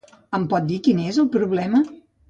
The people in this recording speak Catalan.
Em pot dir quin és el problema?